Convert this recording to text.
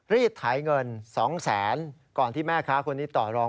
รีดถ่ายเงิน๒๐๐๐๐๐บาทก่อนที่แม่ค้าคนนี้ต่อลอง